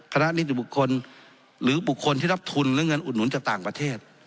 นิติบุคคลหรือบุคคลที่รับทุนและเงินอุดหนุนจากต่างประเทศ